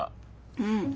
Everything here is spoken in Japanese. うん。